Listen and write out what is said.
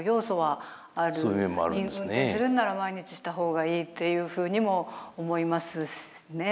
するんなら毎日した方がいいっていうふうにも思いますね。